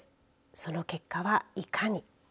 その結果はいかに。